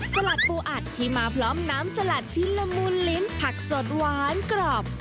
สลัดปูอัดที่มาพร้อมน้ำสลัดชิ้นละมุนลิ้นผักสดหวานกรอบ